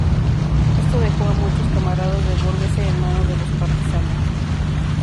Esto dejó a muchos camaradas de Borghese en manos de los partisanos.